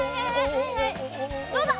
どうだ？